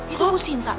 itu bu sinta